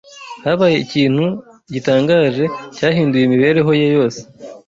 habaye ikintu gitangaje cyahinduye imibereho ye yose